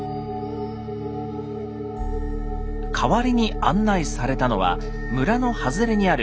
代わりに案内されたのは村の外れにある小高い尾根の上。